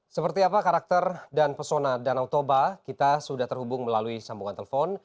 seperti apa karakter dan pesona danau toba kita sudah terhubung melalui sambungan telepon